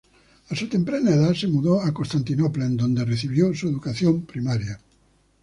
A su temprana edad se mudó a Constantinopla, en donde recibió su educación primaria.